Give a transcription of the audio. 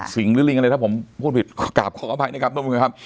สิ่งหรือลิงอะไรถ้าผมพูดผิดกราบขออภัยหน่อยครับ